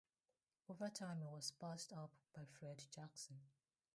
Over time, he was passed up by Fred Jackson.